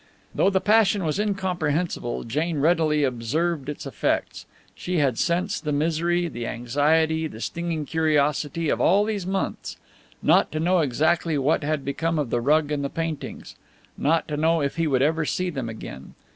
Though the passion was incomprehensible, Jane readily observed its effects. She had sensed the misery, the anxiety, the stinging curiosity of all these months. Not to know exactly what had become of the rug and the paintings! Not to know if he would ever see them again!